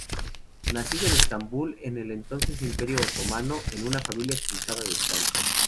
Nacido en Estambul, en el entonces Imperio Otomano, en una familia expulsada de España.